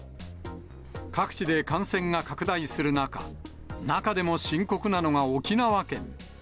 各地で感染が拡大する中、中でも深刻なのが沖縄県。